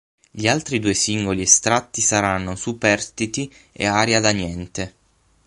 Gli altri due singoli estratti saranno "Superstiti" e "Aria da niente".